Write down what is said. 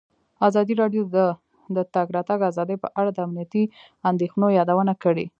ازادي راډیو د د تګ راتګ ازادي په اړه د امنیتي اندېښنو یادونه کړې.